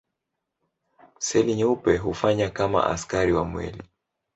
Seli nyeupe hufanya kama askari wa mwili.